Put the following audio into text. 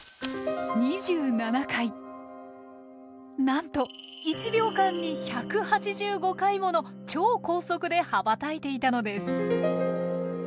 なんと１秒間に１８５回もの超高速で羽ばたいていたのです。